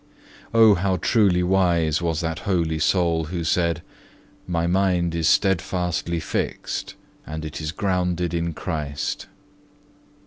3. Oh, how truly wise was that holy soul which said, "My mind is steadfastly fixed, and it is grounded in Christ."